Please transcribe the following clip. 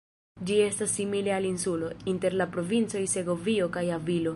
Ĝi estas simile al insulo, inter la provincoj Segovio kaj Avilo.